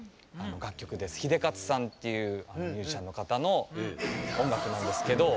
日出克さんっていうミュージシャンの方の音楽なんですけど。